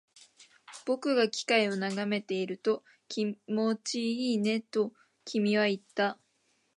僕が機械を眺めていると、気持ちいいねと君は言った